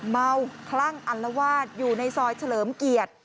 คลั่งอัลวาดอยู่ในซอยเฉลิมเกียรติ